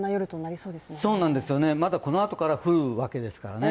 そうなんですよね、まだこのあとから降るわけですからね。